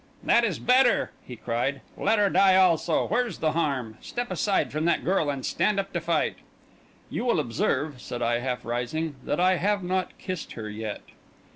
"That is better!" he cried. "Let her die also, where's the harm? Step aside from that girl! and stand up to fight" "You will observe," said I, half rising, "that I have not kissed her yet."